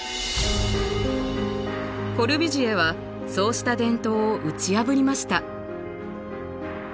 コルビュジエはそうした伝統を打ち破りました。